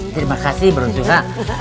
terima kasih bro suha